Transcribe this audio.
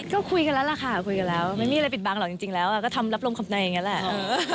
ก็คุยกันแล้วล่ะค่ะคุยกันแล้วไม่มีอะไรปิดบังหรอกจริงแล้วก็ทำรับลงคำในอย่างนี้แหละ